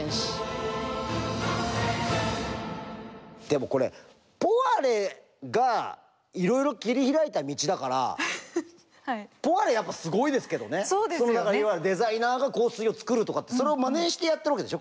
でもこれポワレがいろいろ切り開いた道だからデザイナーが香水を作るとかってそれをまねしてやってるわけでしょ